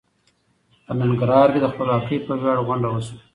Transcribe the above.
په ننګرهار کې د خپلواکۍ په وياړ غونډه وشوه.